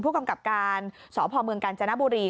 ผู้กำกับการสพเมืองกาญจนบุรี